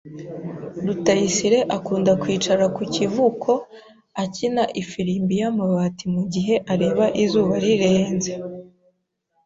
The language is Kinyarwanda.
Rutayisire akunda kwicara ku kivuko akina ifirimbi y'amabati mu gihe areba izuba rirenze.